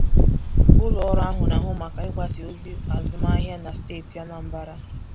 Ụlọọrụ ahụ na-ahụ maka ịgbasa ozi azụmahịa na steeti Anambra